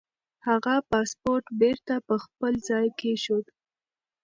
هغه پاسپورت بېرته پر خپل ځای کېښود.